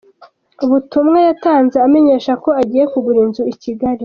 Ubutumwa yatanze amenyesha ko agiye kugura inzu i Kigali.